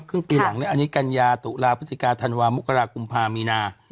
ครึ่งปีหลังอันนี้กันยาตุลาไมซิกาดทานวาโมกลากุมภามีนา